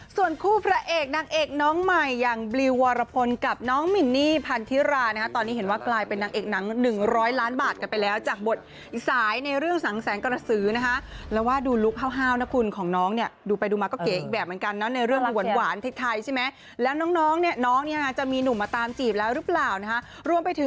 ส่วนคู่พระเอกนางเอกน้องใหม่อย่างบลิววรพลกับน้องมินนี่พันธิรานะฮะตอนนี้เห็นว่ากลายเป็นนางเอกหนังหนึ่งร้อยล้านบาทกันไปแล้วจากบทสายในเรื่องสังแสงกระสือนะคะแล้วว่าดูลุคห้าวนะคุณของน้องเนี่ยดูไปดูมาก็เก๋อีกแบบเหมือนกันนะในเรื่องหวานไทยใช่ไหมแล้วน้องเนี่ยน้องเนี่ยจะมีหนุ่มมาตามจีบแล้วหรือเปล่านะคะรวมไปถึง